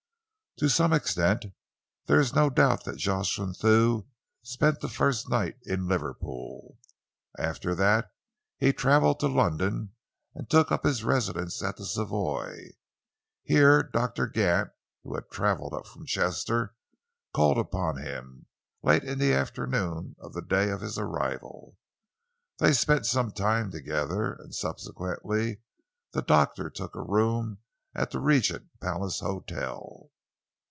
"To some extent. There is no doubt that Jocelyn Thew spent the first night in Liverpool. After that he travelled to London and took up his residence at the Savoy. Here Doctor Gant, who had travelled up from Chester, called upon him, late in the afternoon of the day of his arrival. They spent some time together, and subsequently the doctor took a room at the Regent Palace Hotel.